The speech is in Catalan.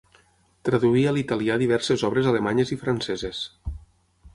Traduí a l'italià diverses obres alemanyes i franceses.